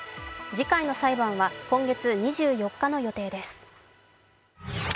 次回の裁判は今月２４日の予定です。